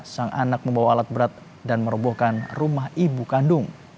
sang anak membawa alat berat dan merobohkan rumah ibu kandung